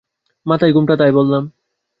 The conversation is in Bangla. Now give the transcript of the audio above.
মাথায় ঘোমটা, তাই বললাম।